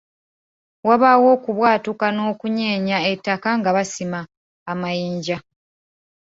Wabaawo okubwatuka n'okunyeenya ettaka nga basima amayinja.